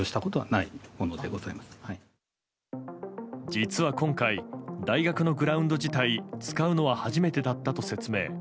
実は今回大学のグラウンド自体使うのは初めてだったと説明。